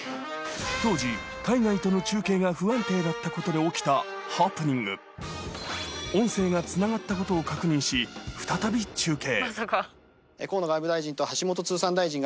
当時海外との中継が不安定だったことで起きたハプニングことを確認し再び中継